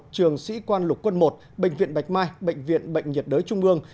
trường sĩ quan lục quân một bệnh viện bạch mai bệnh viện bệnh nhiệt đới trung ương